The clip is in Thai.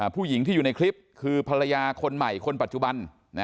ผู้หญิงที่อยู่ในคลิปคือภรรยาคนใหม่คนปัจจุบัน